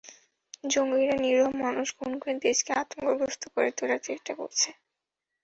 জঙ্গিরা নিরীহ মানুষ খুন করে দেশকে আতঙ্কগ্রস্ত করে তোলার চেষ্টা করছে।